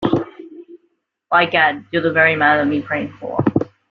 By Gad, you’re the very man I’ve been praying for.